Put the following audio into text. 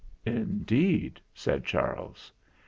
"Indeed," said Charles.